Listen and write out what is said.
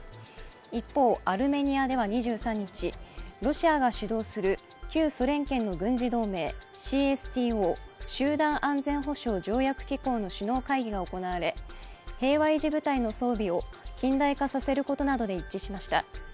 一方、アルメニアでは２３日、ロシアが主導する旧ソ連圏の軍事同盟、ＣＳＴＯ＝集団安全保障条約機構の首脳会議が行われ、平和維持部隊の装備を近代化させることで一致しました。